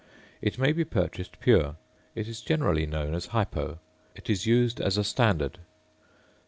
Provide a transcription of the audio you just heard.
It may be purchased pure. It is generally known as "hypo." It is used as a standard.